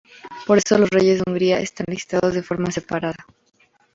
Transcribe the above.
Por eso, los reyes de Hungría están listados de forma separada.